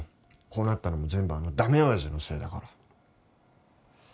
こうなったのも全部あの駄目親父のせいだから。